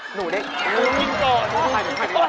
หนูได้อีกตอนใหญ่ครูใส่แล้วติดละครู